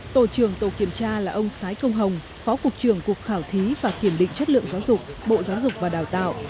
tổ trưởng tổ kiểm tra là ông sái công hồng phó cục trưởng cục khảo thí và kiểm định chất lượng giáo dục bộ giáo dục và đào tạo